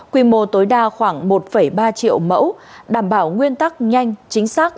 quy mô tối đa khoảng một ba triệu mẫu đảm bảo nguyên tắc nhanh chính xác